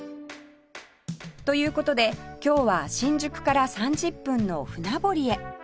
という事で今日は新宿から３０分の船堀へ